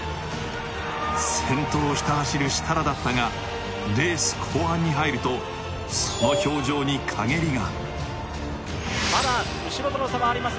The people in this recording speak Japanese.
先頭をひた走る設楽だったが、レース後半に入るとその表情に陰りが。